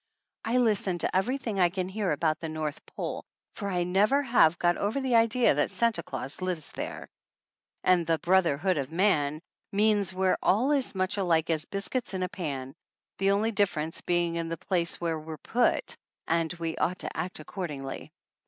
I listen to every thing I can hear about the North Pole for I never have got over the idea that Santa Claus lives there. And the "Brotherhood of Man" means we're all as much alike as biscuits in a pan, the only difference being in the place where we're put ; and we ought to act accordingly.